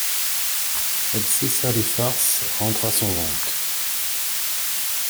Elle cessa les farces, rentra son ventre.